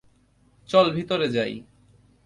চল ভিতরে যাই।